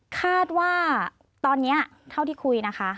คาดว่าตอนนี้เท่าที่คุยนะคะ